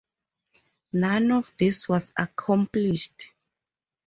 None of this was accomplished.